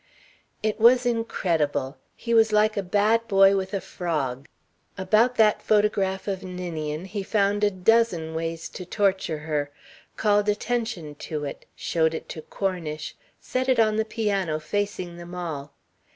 It was incredible. He was like a bad boy with a frog. About that photograph of Ninian he found a dozen ways to torture her, called attention to it, showed it to Cornish, set it on the piano facing them all.